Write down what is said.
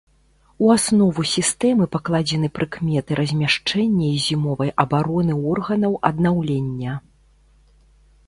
У аснову сістэмы пакладзены прыкметы размяшчэння і зімовай абароны органаў аднаўлення.